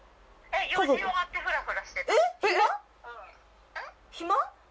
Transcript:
えっ暇？